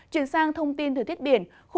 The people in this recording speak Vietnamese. chuyển sang thông tin thời tiết biển